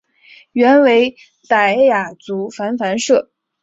原为泰雅族芃芃社。